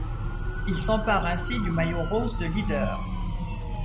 Il s'empare ainsi du maillot rose de leader.